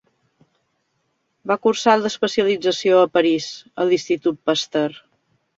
Va cursar l'especialització a París, a l'Institut Pasteur.